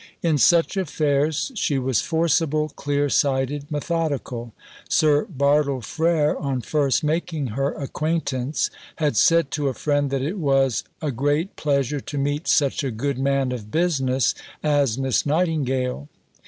In such affairs she was forcible, clear sighted, methodical. Sir Bartle Frere, on first making her acquaintance, had said to a friend that it was "a great pleasure to meet such a good man of business as Miss Nightingale."